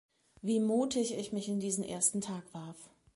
Wie mutig ich mich in diesen ersten Tag warf.